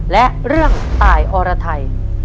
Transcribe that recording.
และเรื่องตายอรไทย